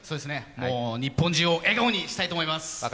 日本中を笑顔にしたいと思います。